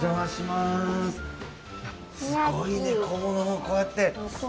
すごいね小物もこうやって。